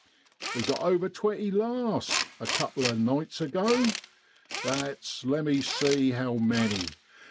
We got over twenty last a couple o' nights ago, that's, lemme see, how many